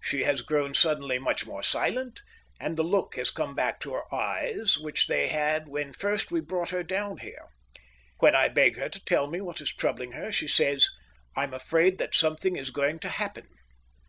She has grown suddenly much more silent, and the look has come back to her eyes which they had when first we brought her down here. When I beg her to tell me what is troubling her, she says: "I'm afraid that something is going to happen."